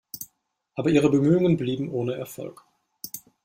Aber ihre Bemühungen blieben ohne Erfolg.